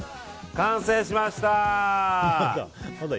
完成しました！